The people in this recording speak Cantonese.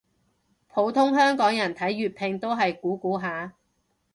普通香港人睇粵拼都係估估下